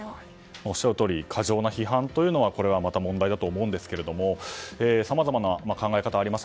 おっしゃるとおり過剰な批判というのはまた問題だと思うんですけどもさまざまな考え方がありました。